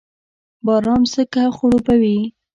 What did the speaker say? باران ځمکه خړوبوي